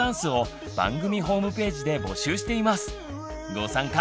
ご参加